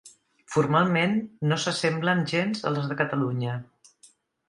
Formalment no s'assemblen gens a les de Catalunya.